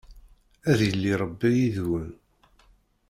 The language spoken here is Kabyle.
Ad yili Rebbi yid-wen!